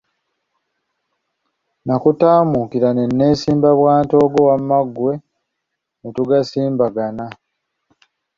Nakutaamulukuka ne neesimba bwantoogo wamma ggwe ne tugasimbagana.